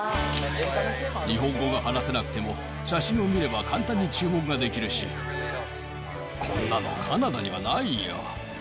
日本語が話せなくても、写真を見れば、簡単に注文ができるし、こんなのカナダにはないよ。